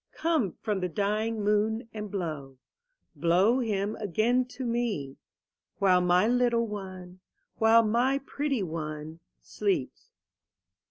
Come from the dying moon, and blow. Blow him again to me; While my little one, while my pretty one, sleeps.